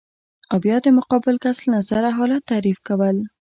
او بیا د مقابل کس له نظره حالت تعریف کول